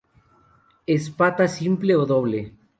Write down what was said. Espata simple o doble.